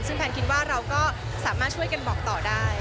ซึ่งแพนคิดว่าเราก็สามารถช่วยกันบอกต่อได้